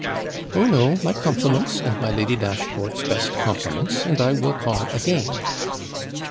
'Oh no, my compliments, and my Lady Dashfort's best compliments, and I will call again.'